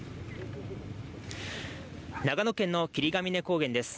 長野県の霧ケ峰高原です。